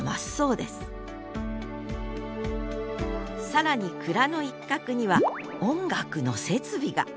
更に蔵の一角には音楽の設備が。